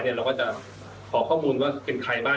เราก็จะขอข้อมูลว่าเป็นใครบ้าง